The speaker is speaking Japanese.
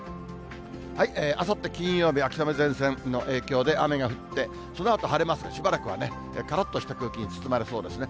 あさって金曜日、秋雨前線の影響で雨が降って、そのあと晴れます、しばらくはね、からっとした空気に包まれそうですね。